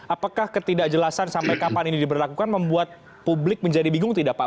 apakah ketidakjelasan sampai kapan ini diberlakukan membuat publik menjadi bingung tidak pak